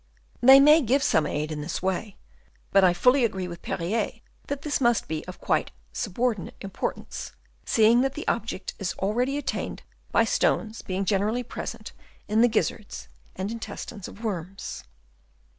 They may give some aid in this way ;* M. Foster, ut sup. p. 200. 56 HABITS OF WORMS. Chap. I. but I fully agree with Perrier that this must be of quite subordinate importance, seeing that the object is already attained by stones being generally present in the gizzards and intestines of worms.